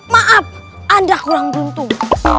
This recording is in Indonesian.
maaf anda kurang buntung